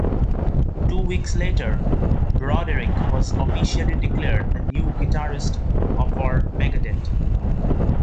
Two weeks later, Broderick was officially declared the new guitarist for Megadeth.